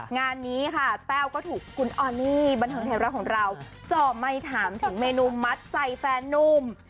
งานนี้ค่ะแต้วก็ถูกคุณออนนี่บันเทิงไทยรัฐของเราจ่อไมค์ถามถึงเมนูมัดใจแฟนนุ่ม